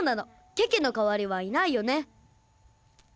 ケケのかわりはいないよね。